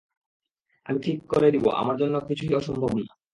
আমি ঠিক করে দিবো, আমার জন্য কিছুই অসম্ভব না।